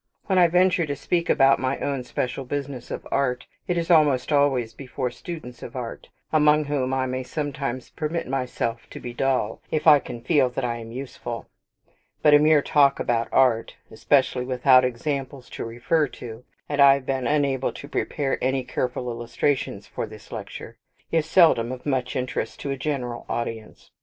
When I venture to speak about my own special business of art, it is almost always before students of art, among whom I may sometimes permit myself to be dull, if I can feel that I am useful: but a mere talk about art, especially without examples to refer to (and I have been unable to prepare any careful illustrations for this lecture), is seldom of much interest to a general audience.